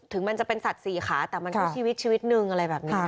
ถึงมันจะเป็นสัตว์สี่ขาแต่มันก็ชีวิตชีวิตหนึ่งอะไรแบบนี้